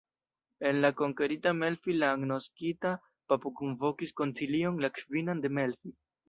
En la konkerita Melfi la agnoskita papo kunvokis koncilion, la kvinan de Melfi.